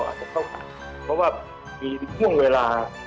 เพราะว่ามีว่างเวลาเข้าขัดไม่ได้ใช่ไหมคะ